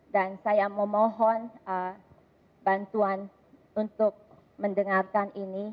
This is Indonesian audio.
dan saya memohon bantuan untuk mendengarkan ini